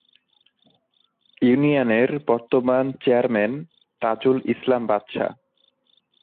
ইউনিয়নের বর্তমান চেয়ারম্যান তাজুল ইসলাম বাদশা।